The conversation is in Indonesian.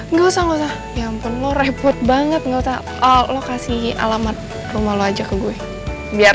nggak usah nggak usah ya ampun lo repot banget nggak usah lokasi alamat rumah lo aja ke gue biar